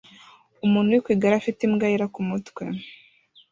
Umuntu uri ku igare afite imbwa yera kumutwe